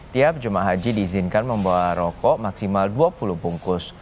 tiap jemaah haji diizinkan membawa rokok maksimal dua puluh bungkus